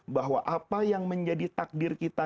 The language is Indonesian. bahwa apa yang menjadi takdir kita